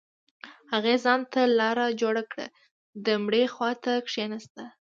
هغې ځان ته لاره جوړه كړه د مړي خوا ته كښېناسته.